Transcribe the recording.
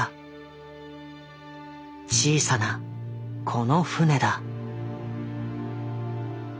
小さなこの船だ。